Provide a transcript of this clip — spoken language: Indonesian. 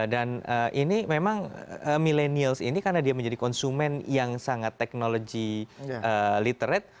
dan ini memang millennials ini karena dia menjadi konsumen yang sangat technology literate